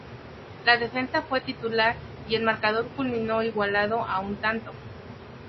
El defensa fue titular, y el marcador culminó igualado a un tanto.